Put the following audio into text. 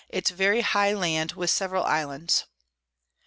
it's very high Land, with several Islands.